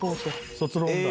卒論だ。